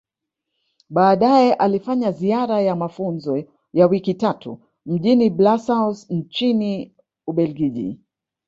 Baadae alifanya ziara ya mafunzo ya wiki tatu mjini Blasous nchini Ubeljiji